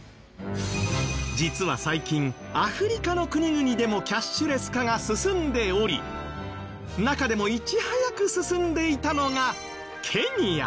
実は最近アフリカの国々でもキャッシュレス化が進んでおり中でもいち早く進んでいたのが。